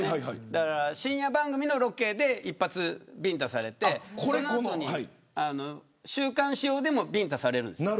だから深夜番組のロケで１発ビンタされてその後、週刊誌用でもビンタされるんです。